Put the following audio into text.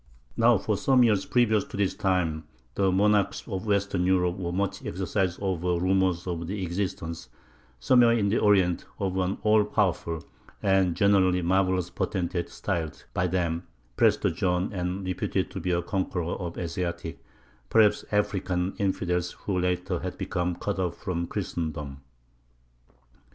] Now for some years previous to this time the monarchs of western Europe were much exercised over rumors of the existence somewhere in the Orient of an all powerful and generally marvelous potentate styled (by them) Prester John, and reputed to be a conqueror of Asiatic, or perhaps African, infidels who later had become cut off from Christendom.